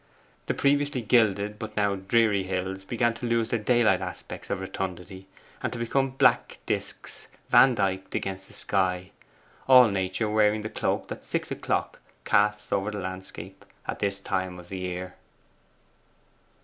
The previously gilded but now dreary hills began to lose their daylight aspects of rotundity, and to become black discs vandyked against the sky, all nature wearing the cloak that six o'clock casts over the landscape at this time of the year.